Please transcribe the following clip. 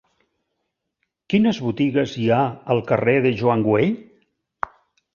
Quines botigues hi ha al carrer de Joan Güell?